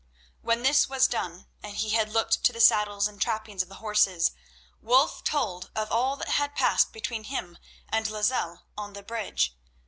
When this was done, and he had looked to the saddles and trappings of the horses, Wulf told of all that had passed between him and Lozelle on the bridge.